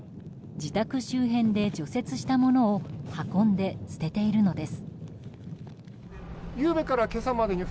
自宅周辺で除雪したものを運んで捨てているのです。